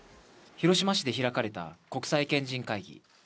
広島市で開かれた国際賢人会議。